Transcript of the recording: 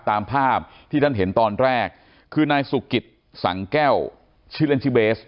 ตามภาพที่ท่านเห็นตอนแรกคือนายสุกิตสังแก้วชื่อเล่นชื่อเบส